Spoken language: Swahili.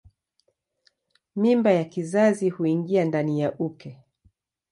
Mimba ya kizazi huingia ndani ya uke.